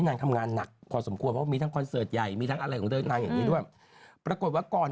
นางคิดแบบว่าไม่ไหวแล้วไปกด